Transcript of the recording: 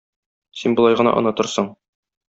Син болай гына онытырсың.